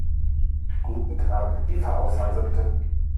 Guten Tag, die Fahrausweise bitte!